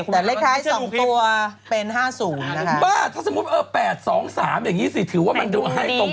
แต่เลขท้าย๒ตัวเป็น๕๐นะบ้าถ้าสมมุติ๘๒๓อย่างนี้สิถือว่ามันดูให้ตรง